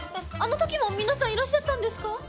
あの時も皆さんいらっしゃったんですか？